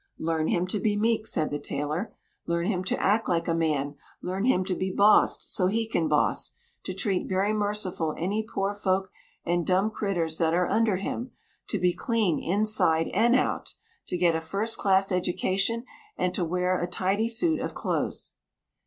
"Learn him to be meek," said the tailor, "learn him to act like a man, learn him to be bossed so he can boss to treat very merciful any poor folk and dumb critters that are under him, to be clean inside and out, to get a first class education, and to wear a tidy suit of clothes."